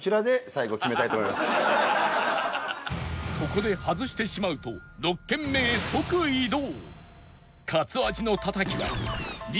ここで外してしまうと６軒目へ即移動